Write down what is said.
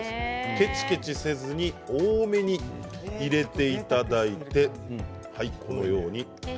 けちけちせずに多めに入れていただいて。